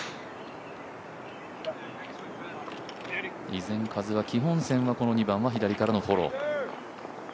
依然、風は基本線はこの２番は左からのフォロー。